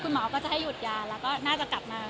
หมอก็จะให้หยุดยาแล้วก็น่าจะกลับมา